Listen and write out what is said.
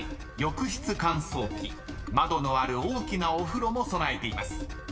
［窓のある大きなお風呂も備えています］